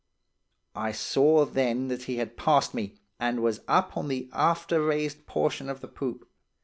I saw then that he had passed me, and was up on the after raised portion of the poop.